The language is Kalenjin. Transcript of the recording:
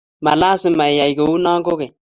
molasma iyaay kou noo kokeny